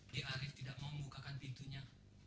di arief tidak mau membukakan pintunya